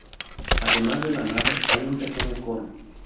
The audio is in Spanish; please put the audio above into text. Además de la nave, hay un pequeño coro.